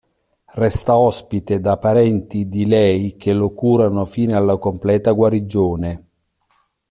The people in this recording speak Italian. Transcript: Resta ospite da parenti di lei che lo curano fino alla completa guarigione.